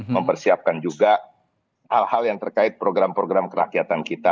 mempersiapkan juga hal hal yang terkait program program kerakyatan kita